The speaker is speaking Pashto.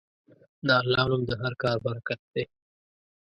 د الله نوم د هر کار برکت دی.